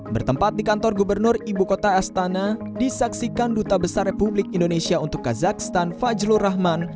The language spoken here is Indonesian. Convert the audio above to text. bertempat di kantor gubernur ibu kota astana disaksikan duta besar republik indonesia untuk kazakhstan fajrul rahman